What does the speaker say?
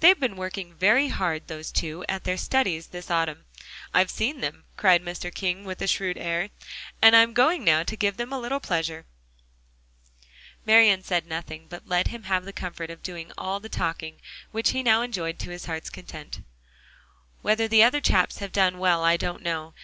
"They've been working very hard, those two, at their studies this autumn. I've seen them," cried Mr. King with a shrewd air, "and I'm going now to give them a little pleasure." Marian said nothing, but let him have the comfort of doing all the talking, which he now enjoyed to his heart's content. "Whether the other chaps have done well, I don't know.